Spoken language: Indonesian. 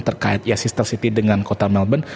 terkait ya sister city dengan kota melbourne